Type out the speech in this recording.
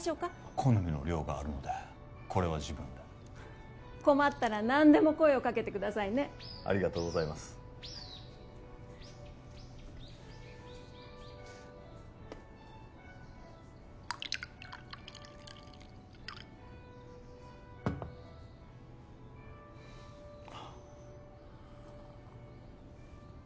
好みの量があるのでこれは自分で困ったら何でも声をかけてくださいねありがとうございますあっ